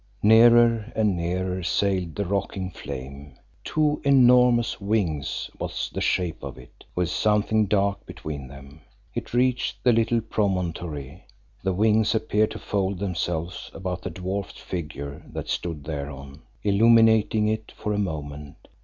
Nearer and nearer sailed the rocking flame, two enormous wings was the shape of it, with something dark between them. It reached the little promontory. The wings appeared to fold themselves about the dwarfed figure that stood thereon illuminating it for a moment.